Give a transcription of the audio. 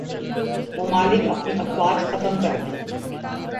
ممالک اپنی افواج ختم کر دیں